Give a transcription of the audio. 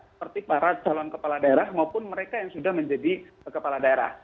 seperti para calon kepala daerah maupun mereka yang sudah menjadi kepala daerah